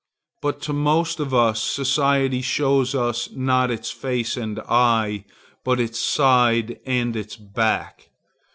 But to most of us society shows not its face and eye, but its side and its back.